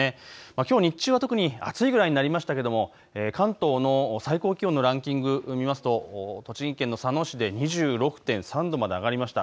きょう日中は特に暑いぐらいになりましたけども関東の最高気温のランキング見ますと栃木県の佐野市で２６．３度まで上がりました。